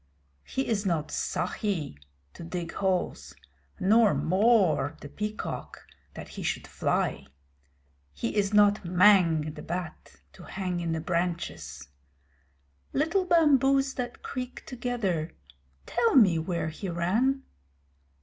He is not Sahi to dig holes, nor Mor, the Peacock, that he should fly. He is not Mang, the Bat, to hang in the branches. Little bamboos that creak together tell me where he ran?